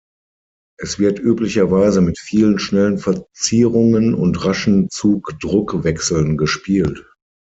Es wird üblicherweise mit vielen schnellen Verzierungen und raschen Zug-Druck-Wechseln gespielt.